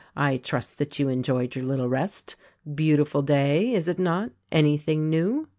I trust that you enjoyed your little rest. Beautiful day, is it not? Anything new?"